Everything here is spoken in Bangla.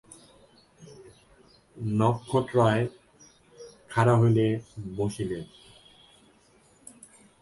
নক্ষত্ররায় খাড়া হইয়া বসিলেন।